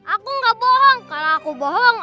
aku nggak bohong kalau aku bohong